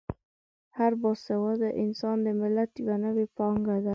هر با سواده انسان د ملت یوه نوې پانګه ده.